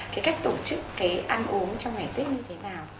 cái cách tổ chức cái ăn uống trong ngày tết như thế nào